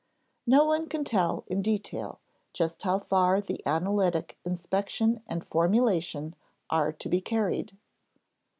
No one can tell in detail just how far the analytic inspection and formulation are to be carried.